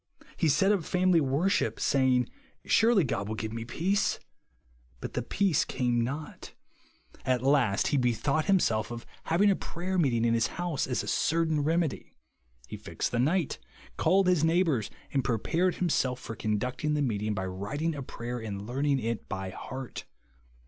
He set up family worship, saying, Surely God will give me peace. But the peace came not. so GROUND OF PEACE. 15 At last he bethouglit himself of having a prayer meeting in his house as a certain remedy. He fixed the night ; called his neighbours ; and prepared himself for con ducting the meeting, by writing a prayer and learning it by heart.